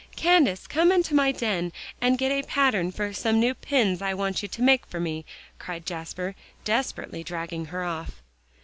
"Candace, come into my 'den' and get a pattern for some new pins I want you to make for me," cried Jasper, desperately dragging her off.